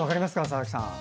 佐々木さん。